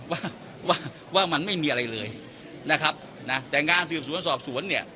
ว่าว่ามันไม่มีอะไรเลยนะครับนะแต่งานสืบสวนสอบสวนเนี่ย